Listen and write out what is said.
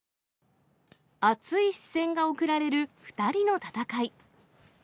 熱い視線が送られる２人の戦い。